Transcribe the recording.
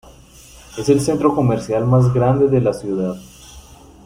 Es el centro comercial más grande de la ciudad.